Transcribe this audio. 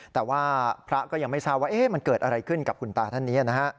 แต่ว่าพระก็ยังไม่ทราบว่ามันเกิดอะไรขึ้นกับคุณตาท่านนี้นะฮะ